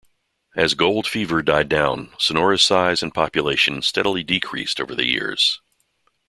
As "gold fever" died down, Sonora's size and population steadily decreased over the years.